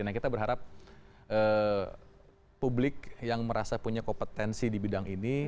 nah kita berharap publik yang merasa punya kompetensi di bidang ini